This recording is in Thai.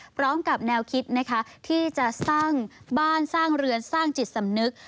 พร้อมกับแนวคิดนะคะที่จะสร้างบ้านสร้างเรือนสร้างจิตสำนึก